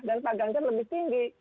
dan pak ganjar lebih tinggi